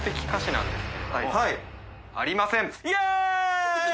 はい。